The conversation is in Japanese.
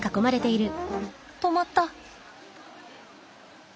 止まった。